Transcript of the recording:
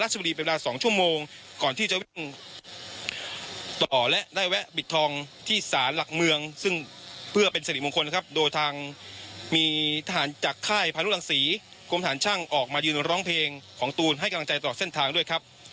จากค่ายภายลูกรังศรีความฐานช่างออกมายืนร้องเพลงของตูนให้กำลังใจต่อเส้นทางด้วยครับ